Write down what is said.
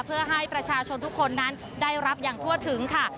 เพื่อให้ประชาชนทุกคนนั้นได้รับอย่างทั่วถึงค่ะ